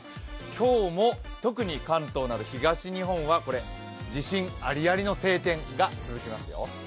今日も特に関東など、東日本は、自信アリアリの晴天が続きますよ。